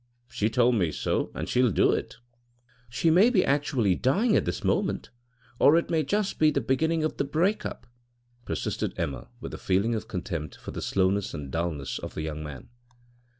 She told me so, and she'll do it." "She may be actually dying at this moment, or it may just be the beginning of the break up," persisted Emma, with a feeling of contempt for the slowness and dulness of the young man.